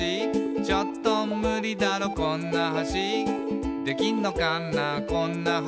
「ちょっとムリだろこんな橋」「できんのかなこんな橋」